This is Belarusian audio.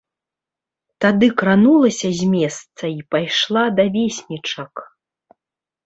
Тады кранулася з месца і пайшла да веснічак.